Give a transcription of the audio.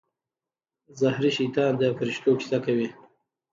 زهري شیطان د فرښتو کیسه کوي.